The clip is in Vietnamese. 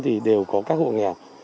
thì đều có các hộ nghèo